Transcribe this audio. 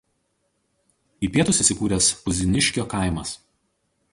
Į pietus įsikūręs Puziniškio kaimas.